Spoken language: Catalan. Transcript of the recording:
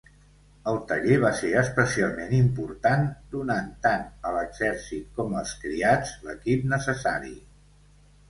El taller va ser especialment important, donant tant a l'exèrcit com als criats l'equip necessari.